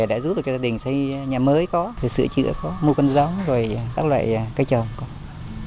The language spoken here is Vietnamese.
đã giúp cho gia đình xây nhà mới có thể sửa chữa có mua con giống rồi các loại cây trồng có